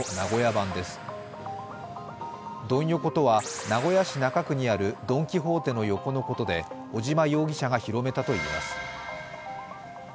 ドン横とは、名古屋市中区にあるドン・キホーテの横のことで、尾島容疑者が広めたといいます。